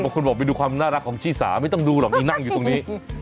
คนบอกไปดูความน่ารักของชี่สาไม่ต้องดูหรอกนี่นั่งอยู่ตรงนี้